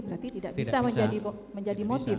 berarti tidak bisa menjadi motif